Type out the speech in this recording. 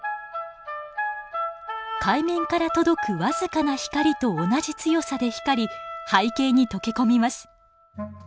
海面から届く僅かな光と同じ強さで光り背景に溶け込みます。